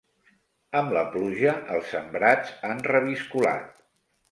Amb la pluja, els sembrats han reviscolat.